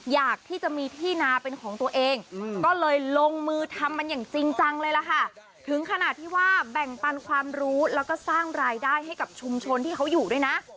อยากที่จะมีที่นาเป็นของตัวเองก็เลยลงมือทำมันอย่างจริงจังเลยล่ะค่ะถึงขนาดที่ว่าแบ่งปันความรู้แล้วก็สร้างรายได้ให้กับชุมชนที่เขาอยู่ด้วยนะ